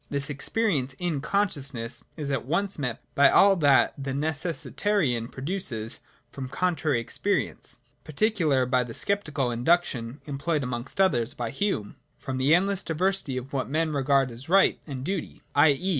This experience in consciousness is at once met by all that the Necessitarian produces from contrary experience, particularly by the sceptical induction (employed amongst others by Hume) from the endless diversity of what men regard as right and duty, — i.e.